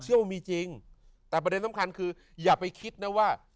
ว่ามีจริงแต่ประเด็นสำคัญคืออย่าไปคิดนะว่า